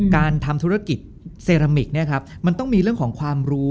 การทำธุรกิจเซรามิกมันต้องมีเรื่องของความรู้